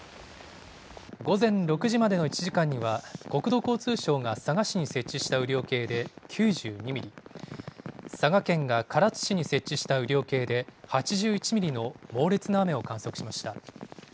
午前６時までの１時間には国土交通省が佐賀市に設置した雨量計で９２ミリ、佐賀県が唐津市に設置した雨量計で８１ミリの猛烈な雨を観測しました。